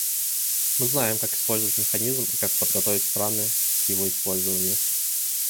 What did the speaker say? Мы знаем, как использовать механизм и как подготовить страны к его использованию.